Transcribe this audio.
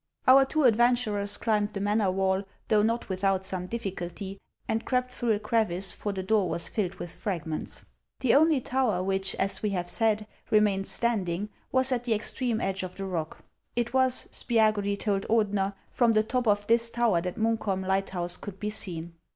Our two adventurers climbed the manor wall, though not without some difficulty, and crept through a crevice, for the door was filled with fragments. The only tower which, as we have said, remained standing, was at the extreme edge of the rock. It was, Spiagudry told Or dener, from the top of this tower that Munkholm light house could be seen.